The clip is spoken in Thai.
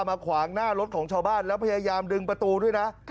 มาขวางหน้ารถของชาวบ้านแล้วพยายามดึงประตูด้วยนะ